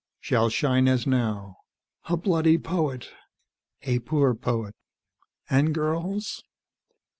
" shall shine as now." "A bloody poet." "A poor poet." "And girls?"